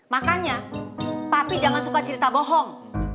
makanya tapi jangan suka cerita bohong